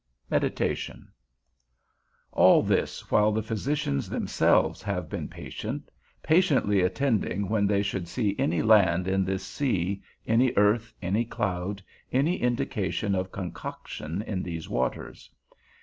_ XIX. MEDITATION. All this while the physicians themselves have been patients, patiently attending when they should see any land in this sea, any earth, any cloud, any indication of concoction in these waters.